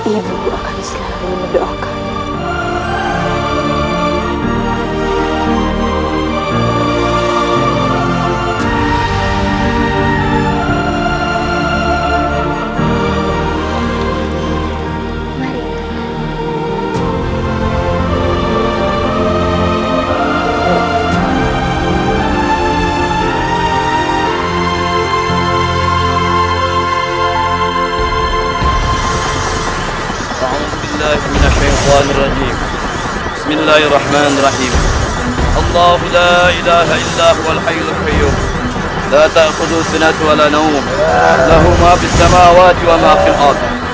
ibu nda akan beristirahat dengan berdoakan